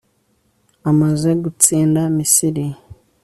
amaze gutsinda misiri